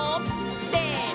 せの！